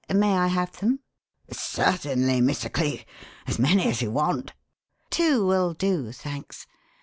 May I have them?" "Certainly, Mr. Cleek as many as you want." "Two will do, thanks.